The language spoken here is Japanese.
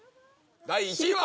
第１位は。